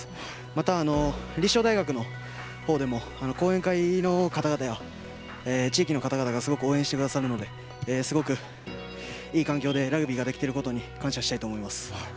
また立正大学のほうでも講演会の方々や地域の方々がすごく応援してくださるのですごくいい環境でラグビーをできていることに感謝したいと思います。